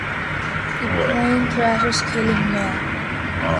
The plane crashes, killing Mel.